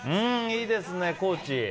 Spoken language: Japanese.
いいですね、高知。